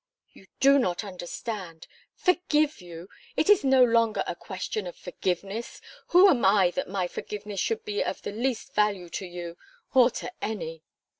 "You do not understand. Forgive you? It is no longer a question of forgiveness. Who am I that my forgiveness should be of the least value to you or to any?"